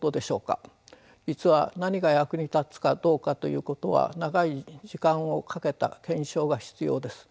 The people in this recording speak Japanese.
実は何が役に立つかどうかということは長い時間をかけた検証が必要です。